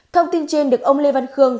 thông tin trên được ông lê văn thuận